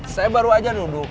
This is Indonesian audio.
saya baru aja duduk